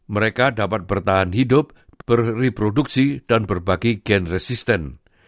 mereka dapat bertahan hidup berreproduksi dan berbagi gen resisten